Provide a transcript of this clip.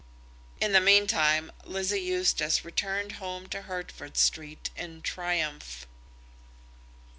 In the meantime Lizzie Eustace returned home to Hertford Street in triumph.